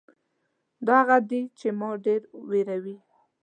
دا هغه څه دي چې ما ډېر وېروي .